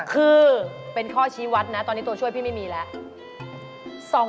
คือเป็นข้อชี้วัดนะตอนนี้ตัวช่วยพี่ไม่มีแล้ว